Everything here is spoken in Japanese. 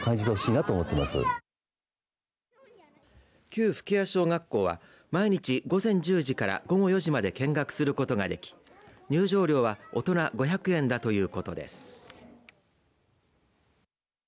旧吹屋小学校は毎日、午前１０時から午後４時まで見学することができ入場料は大人５００円だということです。